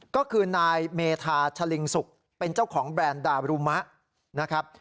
ก็คือนายเมธาชะลิงสุกเป็นเจ้าของแบรนด์ดารุมะนะครับ